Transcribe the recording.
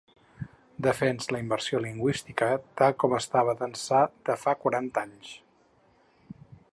Defens la immersió lingüística tal com estava d’ençà de fa quaranta anys.